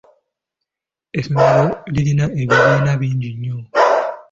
Essomero lirina ebibiina bingi nnyo.